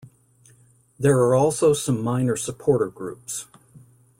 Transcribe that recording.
There are also some minor supporter groups.